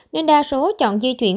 nên đa số chọn di chuyển